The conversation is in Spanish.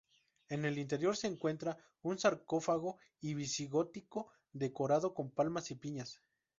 En el interior se encuentra un sarcófago visigótico decorado con palmas y piñas.